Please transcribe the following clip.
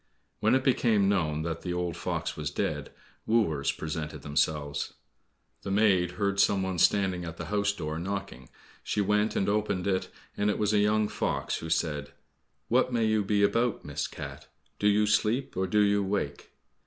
When it became known that the old fox was dead, wooers presented themselves. The maid heard some one standing at the house door, knocking. She went and opened it, and it was a young fox, who said, "What may you be about, Miss Cat? Do you sleep or do you wake?"